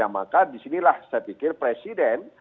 maka disinilah saya pikir presiden